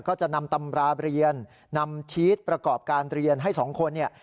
ก็จะนำตำราเรียนนำชีสประกอบการเรียนให้สองคนเนี่ย